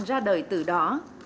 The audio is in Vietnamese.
ra đời từ đó